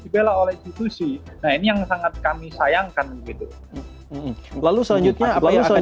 dibela oleh institusi nah ini yang sangat kami sayangkan begitu lalu selanjutnya apa yang akan